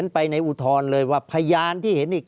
ภารกิจสรรค์ภารกิจสรรค์